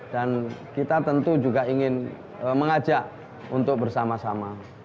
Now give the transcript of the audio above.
kita tentu juga ingin mengajak untuk bersama sama